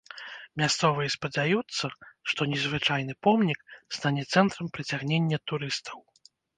Мясцовыя спадзяюцца, што незвычайны помнік стане цэнтрам прыцягнення турыстаў.